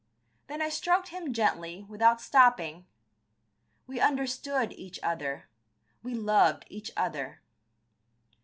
Then I stroked him gently, without stopping. We understood each other; we loved each other.